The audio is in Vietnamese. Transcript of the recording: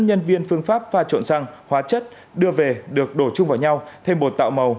nhân viên phương pháp pha trộn xăng hóa chất đưa về được đổ chung vào nhau thêm bột tạo màu